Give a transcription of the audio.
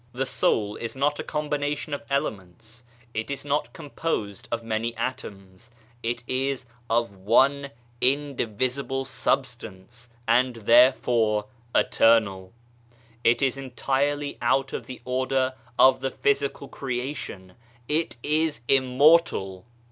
The Soul is not a com bination of elements, it is not composed of many atoms, it is of one indivisible substance and therefore eternal. EVOLUTION OF THE SPIRIT 83 It is entirely out of the order of the physical creation : it is immortal